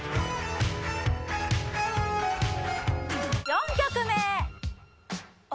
４曲目あ